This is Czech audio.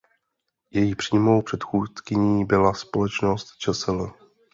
Její přímou předchůdkyní byla Společnost čsl.